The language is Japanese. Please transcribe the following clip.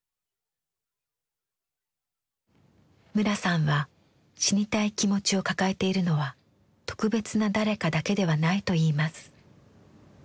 村さんは「死にたい気持ち」を抱えているのは「特別な誰か」だけではないといいます。